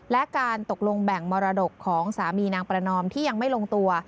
และการตกลงแบ่งมรดกของสามีนางประนอมที่ยังไม่ลงตัว